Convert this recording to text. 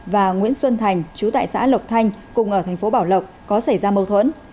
và nguyễn xuân thành chú tại xã lộc thanh cùng ở thành phố bảo lộc có xảy ra mâu thuẫn